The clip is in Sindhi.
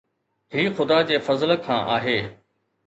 هي خدا جي فضل کان آهي.